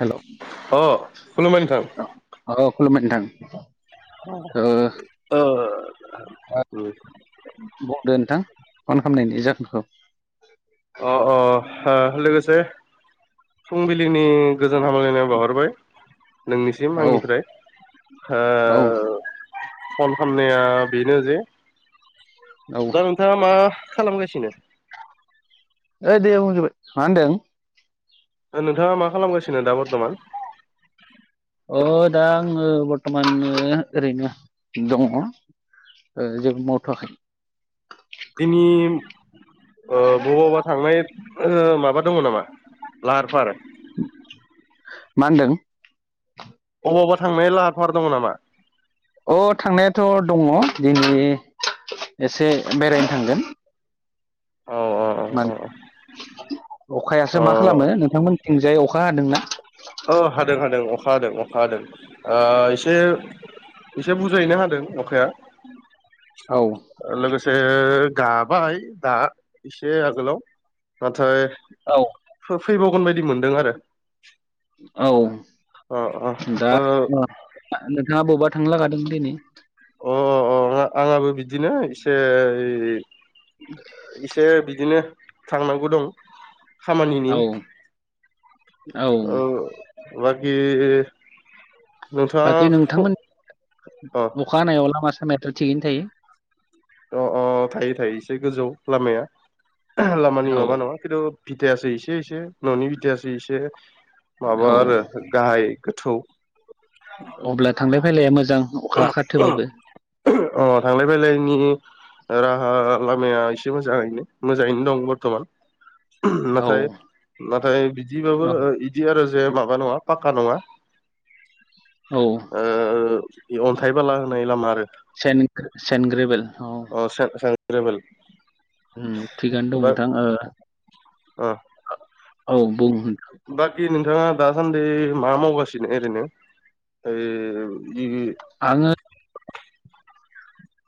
Hello अ खुलुमबाय नोंथां औ खुलुमबाय नोंथां। ओ अ ओ उम बुंदो नोंथां फन खालामनायनि जाहोनखौ अ अ ओ लोगोसे फुंबिलिनि गोजोन हामलायनाय बावहरबाय। नोंनिसिम औ आंनिफ्राय ओ औ फन खालामनाया बेनो जे औ दा नोंथाङा मा खालामगासिनो? [unintelligible] मा होनदों नोंथाङा मा खालामगासिनो दा बर्थमान अ दा आङो बर्थ'मान ओरैनो दङ। जेबो मावथ'वाखै दिनै बबावबा ओ थांनाय माबा दङ नामा लाहार फाहार मा होनदों? अबावबा थांनाय लाहार फाहार दङ नामा? अ थांनायाथ' दङ दिनै एसे बेरायनो थांगोन। अ माने अखायासो औ मा खालामो नोंथांमोन थिंजायै अखा हादोंना? औ हादों हादों अखा हादों अखा हादों ओ एसे एसे बुरजायैनो हादों अखाया। औ लोगोसे गाबाय दा एसे आगोलाव नाथाय औ फैबावगोन बायदि मोनदों आरो। अ अ औ दा अ नोंथाङा बबेबा थांनो लागा दं दिनै अ अ अ आंहाबो बिदिनो एसे इसे बिदिनो थांनांगौ दं खामानिनि। औ औ बाखि नोंथाङा बागै नोंथांमोन अ अखा हानायाव लामा सामायाथ' थिगैनो थायो। अ अ थायो थायो एसे गोजौ लामाया लामानि माबा औ नङा खिन्थु बिथायासो एसे एसे न'नि बिथायासो एसे औ माबा आरो गाहाय गोथौ। अब्ला थांलाय फैलाया मोजां अखा खाथोबाबो। अ थांलाय फैलायनि राहा लामाया एसे मोजाङैनो मोजाङैनो दं बर्थ'मान। औ नाथाय नाथाय बिदिबाबो औ ओ बिदि आरो जे माबा नङा पाक्का नङा औ ओ अन्थाइ बाला होनाय लामा आरो सेन सेनग्रेबेल [unintelligible] सेन ग्रेबेल उम थिगानो दं नोंथां ओ ओ औ बुं बाखि नोंथाङा दासान्दि मा मावगासिनो ओरैनो? ओइ जि आङो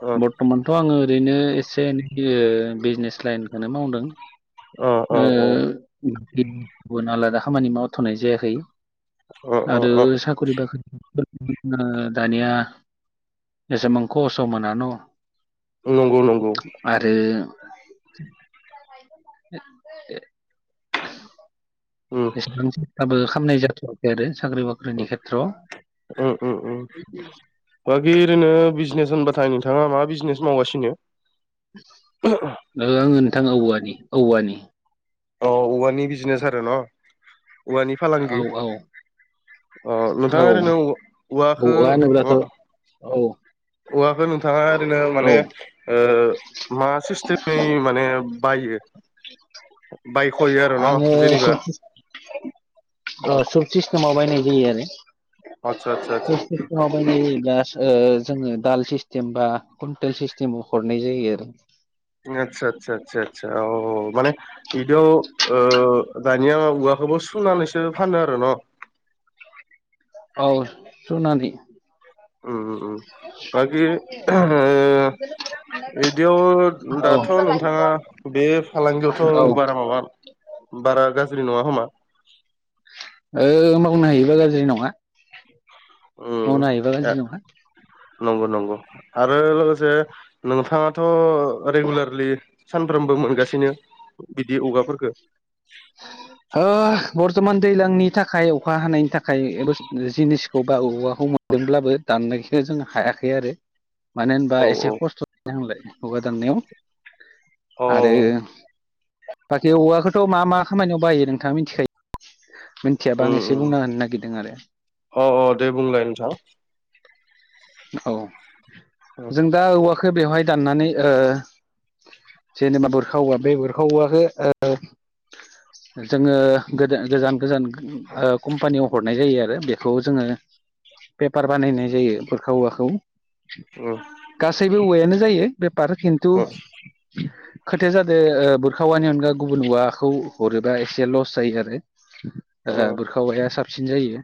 अ बर्थमानथ' आङो ओरैनो एसे एनै बिजनेस लाइनखौनो मावदों। अ ओ अ गुबुन आलादा खामानि मावथ'नाय जायाखै। अ आरो अ अ साख्रि बाख्रिफोरखौबो मोना दानिया जेसेबां खहसआव मोना न' नंगौ नंगौ आरो [inaudible] उम एसेबां सेस्थाबो खालामनाय जाथ'वाखै आरो साख्रि बाख्रिनि खेथ्रआव। उ उ उ बाखि ओरैनो बिजनेस होनबाथाय नोंथाङा मा बिजनेस मावगासिनो? औ आङो नोंथां औवानि औवानि अ औवानि बिजनेस आरो न' औवानि औ फालांगि औ अ औ नोंथाङा ओरैनो औवाखौ औवा होनोब्लाथ' औ औवाखौ नोंथाङा ओरैनो औ माने ओ मा सिस्टेमै माने बायो? बायख'यो आरो न' आङो जेनेबा पुत सिस्टेमाव बायनाय जायो आरो आतसा आतसा आतसा पुत सिस्टेमाव दा जोङो दाल सिस्टेम बा कुइन्टेल सिस्टेमाव हरनाय जायो आरो आतसा आतसा आतसा आतसा औ माने बिदियाव दानिया औवाखौबो सुनानैसो फानो आरो न' औ सुनानै उ उ बाखि ओ बिदियाव औ दाथ' नोंथाङा बे औ फालांगियावथ' बारा माबा [inaudible] बारा गाज्रि नङा खोमा ओ मावनो हायोबा गाज्रि नङा मावनो हायोबा उम गाज्रि नङा। नंगौ नंगौ आरो लोगोसे नोंथाङाथ' रेगुलारलि सानफ्रोमबो मोनगासिनो बिदि औवाफोरखौ [inaudible] ओ बर्थमान दैज्लांनि थाखाय अखा हानायनि थाखाय जिनिसखौ बा औवाखौ मो- नोब्लाबो दाननायखौ जों हायाखै आरो [inaudible] मानो होनबा औ एसे औ खस्थ' जायो नालाय औवा दाननायाव औ आरो बाखि औवाखौथ' मा मा खामानियाव बाहायो नोंथाङा मिथिखायो मोनथियाबा उम आं एसे उम बुंना होनो नागिरदों आरो अ अ दे बुंलाय नोंथां औ उम जों दा औवाखो बेवहाय दाननानै ओ जेनेबा बुरखा औवा बे बुरखा औवाखो ओ जोङो गोदो गोजान गोजान कम्पानियाव हरनाय जायो आरो बेखौ जोङो पेपार बानायनाय जायो औवाखौ उम गासैबो औवायानो जायो फेफार खिन्थु उम खोथाया जादों बुरखा औवानि अनगा गुबुन औवाखौ हरोबा एसे लस जायो आरो उम बुरखा औवाया साबसिन जायो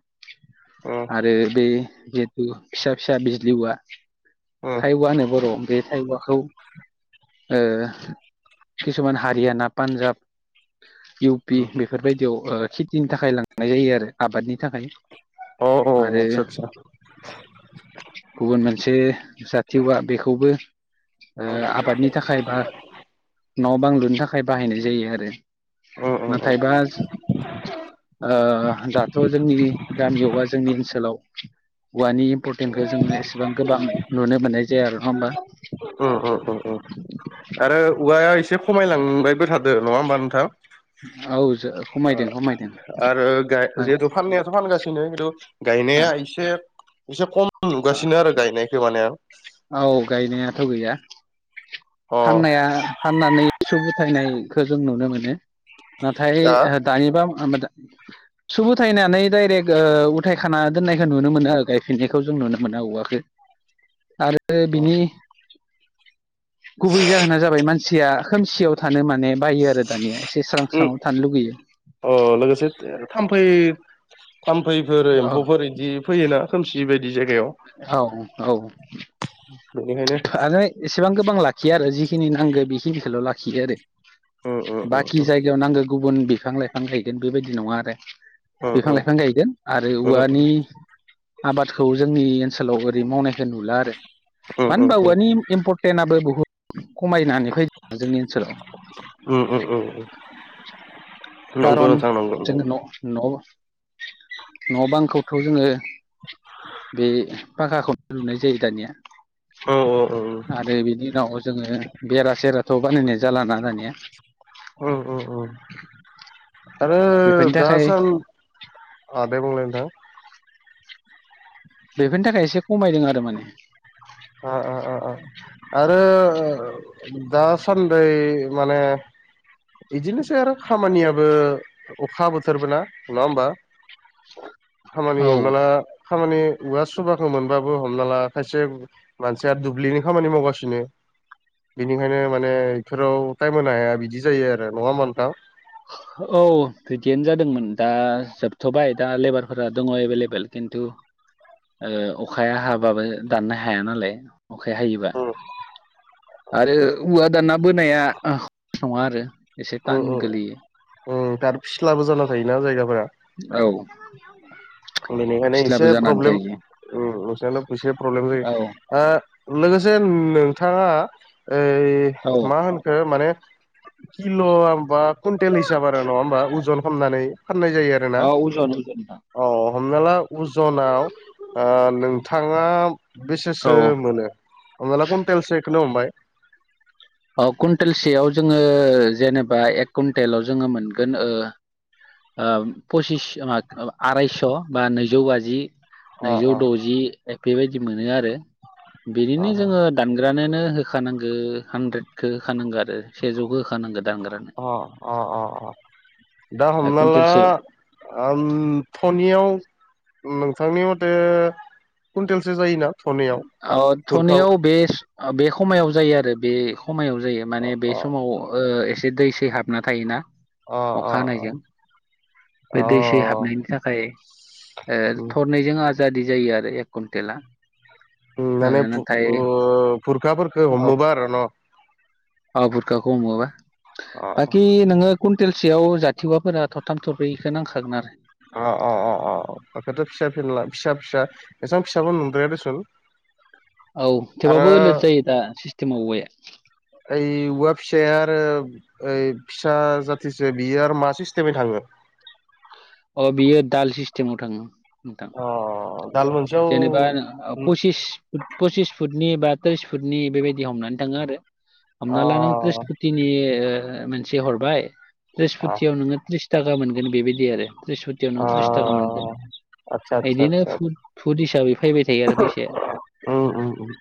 उम आरो बे जेहे थु फिसा फिसा बिजलि औवा थाइ औव होनानो बर' बे थाइ औवाखौ किसुमान हारियाना पान्जाब इउ पि उम बेफोरबायदियाव खेथिनि थाखाय लांनाय जायो आरो आबादनि थाखाय अ अ आरो आतसा आतसा गुबुन मोनसे जाथि औवा बेखौबो आबादनि थाखाय बा न' बां लुनो थाखाय बाहायनाय जायो आरो उम उम नाथाय बा दाथ' जोंनि गामियाव बा जोंनि ओनसोलाव औवानि इम्पर्टेन्खौ जों एसेबां गोबां नुनो मोननाय जाया आरो नङा होमबा आरो औवाया एसे खमायलांबायबो था दों नङा होमबा नोंथां औ खमायदों आरो खमायदों जिहेतु गाय फाननायाथ' फानगासिनो खिन्थु गायनाया एसे एसे खम नुगासिनो आरो गायनायखौ माने आं औ गायनायाथ' गैया अ फाननाया फाननानै [unintelligible] नायखो जों नुनो मोनो नाथाय दा दानिबा [unintelligible] सुब उथायनानै डाइरेक्ट उथायखाना दोननायखौ नुनो मोनो आरो गायफिननायखौ जों नुनो मोना औवाखो आरो बिनि गुबै जाहोना जाबाय मानसिया खोमसियाव थानो माने बायो आरो दानिया एसे स्रां उम स्राङाव थानो लुगैयो अ लोगोसे थामफै थामफैफोर औ एम्फौफोर बिदि फैयोना खोमसि बायदि जायगायाव औ बेनिखायनो आरो एसेबां गोबां लाखिया आरो जि जिनि नांगो बेखिनिखौल' लाखियो आरो उम उम बाखि उम जायगायाव नांगो गुबुन बिफां लाइफां गायगोन बेबायदि नङा आरो उम बिफां लाइफां गायगोन आरो उम औवानि आबादखौ जोंनि ओनसोलाव ओरै मावनायखौ नुला आरो उम मानो उम होनबा औवानि इम्परटेन्आबो बुहुद खमायनानै फैदों जोंनि ओनसोलाव [unintelligible] नंगौ खारन नोंथां नंगौ नंगौ जोङो न न न बांखौथ' जोङो बे फाखाखौनो लुनाय जायो दानिया औ औ औ आरो बिनि उनाव जोङो बेरा सेराथ' बानायनाय जालाना दानिया [unintelligible] आरो बेफोरनि दा थाखाय सान अह दे बुंलाय नोंथां बेफोरनि थाखाय एसे खमायदों आरो माने [unintelligible] आरो दासानदै माने इदिनोसै आरो खामानियाबो अखा बोथोरबो ना नङा होमबा [inaudible] खामानि औ हमना ला खामानि औवा सुबाखौ मोनबाबो हमना ला खायसे मानसिया दुब्लिनि खामानि मावगासिनो बिनिखायनो माने इफोराव टाइम होनो हाया बिदि जायो आरो नङा होमबा नोंथां? औ बिदियानो जादोंमोन दा जोबथ'बाय दा लेबारफोरा दङ एभेलेबेल खिन्थु अखाया हाबाबो दाननो हाया नालाय अखाया हायोबा [inaudible] आरो औवा दाना बोनाया ख नङा आरो एसे थान गोलैयो। ओम आरो फिस्लाबो जाना थायोना जायगाफोरा औ। गनायखायनो एसे फिस्लाबो जानानै प्रब्लेम थायो नसाल' एसे प्रब्लेम औ जायो् लोगोसे नोंथाङा ओइ औ मा होनखो माने किल' हबा कुइन्टेल हिसाब आरो नङा हबा अजन खालामामनानै फाननाय जायो आरो। औ [unintelligible] औ हमना ला अजनाव ओ नोंथाङा औ बेसेसो मोनो हनाला कुन्टेलसोखौनो हमबाय। कुइन्टेलसेयाव जोङो जेनेबा एक कुइन्टेलाव जोङो मोनगोन। पसिस आरायस' बा नैजौ बाजि अ नैजौ अ द'जि बेबायदि मोनो आरो अ बिदिनो जोङो दानग्रानोनो होखानांगौ हानद्रेदखौ होखानांगौ आरो सेजौखौ होखानांगौ दानग्रोनो अ अ अ अ दा हमना ला कुइन्टेलसेयाव ओम थनैयाव नोंथांनि मथे कुन्टेलसो जायोना। थनायाव गुरखाव धनियाव बे खमायाव जायो आरो बे समायाव जायो अ माने बे अ समाव एसे दै सै हाबना थायोना। अ अ अखा अ। हानायजों बे दै सै हाबनायनि थाखाय थरनै। जों आजादि जायो आरो एक कुन्टेला ओ माने नाथाय फुरखाफोरखौ हमोबा आरो न? आ बुरखाखौ हमोबा अ बाखि नोङो कुन्टेलसेयाव जाथिवाफोरा थरथाम थरबैखौ नांखागोन आरो। अ अ अ अ। औ बाखथ' फिसा फिला फिसा फिसा बेसां फिसाबो नुद्राया दसुन औ थेवबाबो लद जायो दा सिस्टेमाव औबवाया। मै औवा फिसाया आरो ओइ फिसा जाथिसो बियो आरो मा सिस्टेमै थाङो। अ बियो दाल सिस्टेमाव थाङो नोंथां। अ। दाल मोनसेयाव जेनेबा पसिस फुट पसिस फुटनि बा त्रिस फुटनि बेबायदि हमनानै थाङो आरो अ हमना ला नों त्रिसपुटिनि मोनसे हरबाय अ त्रिसपुटियाव नोङो त्रिस थ्रिस थाखा मोनगोन बेबायदि आरो त्रिस फुटियाव नों अ त्रिस थाखा मोनगोन आतसा आतसा बिदिनो आतसा भुट हिसाबै फैबाय थायो आरो फैसाया। उम उम उम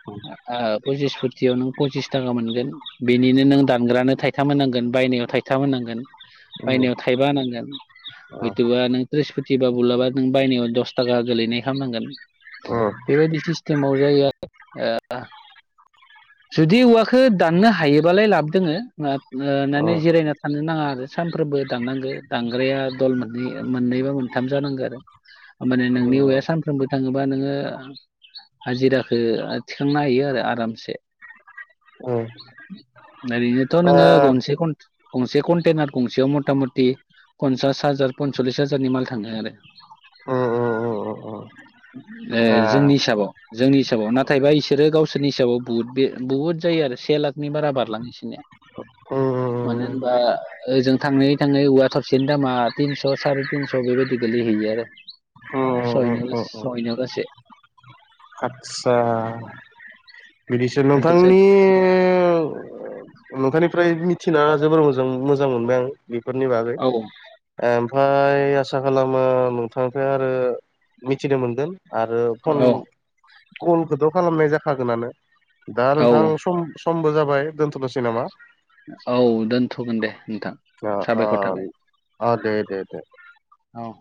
पसिस फुटियाव नों फसिस थाखा मोनगोन। बिनिनो नों दानग्रानो थाइथाम होनांगोन बायनायाव थाइथाम होनांगोन। उम उम बायनायाव थाइबा होनांगोन हयथ'बा नों ब्रिसपुथि बा बुलाबा नों बायनायाव दस थाखा गोलैनाय खालामनांगोन। ओम। बेबायदि सिस्टेमाव जायो। जुदि औवाखौ दाननो हायोबालाय लाब दोङो माने जिरायना थानो नाङा आरो सानफ्रोमबो दाननांगो दानग्राया दल मोननै मोननै बा मोनथाम जानांगौ आरो। होमबानिया नोंनि औवाया। फोरोंबो थाङोबा नोङो हाजिराखौ थिखांनो हायो आरो आरामसे ओरैनोथ' नोङो गंसे खन गंसे कन्टेनार गंसेयाव मथा मथि पन्सास हाजार पनस'लिस हाजारनि माल थाङो आरो उम उम उम उम आ जोंनि हिसाबाव जोंनि हिसाबाव नाथायबा बिसोरो गावसोरनि हिसाबाव बुहुद बे बुहुद जायो आरो से लाखनि बारा बारलाङो इसिनिया उम मानो होनबा ओजों थाङै थाङै औवा थसेनि दामा तिनस' साराय तिनस' बेबायदि गोलैहैयो आरो उम उम सहैनायावलास सहैनायावलासे आदसा बिदिसो खिन्थु जों नोंथांनि नोंथांनिफ्राय मिथिना जोबोर मोजां मोजां मोनबाय आं बेफोरनि बागै औ ओमफ्राय आसा खालामो नोंथांनिफ्राय आरो मिथिनो मोनगोन आरो फन औ कलखौथ' खालामनाय जाखागोनानो दा औ नोंथां सम समबो जाबाय दोनथ'नो'सै नामा औ दोनथ'गोन दे नोंथां अ अ साबायखर थाबाय अ दे देे औ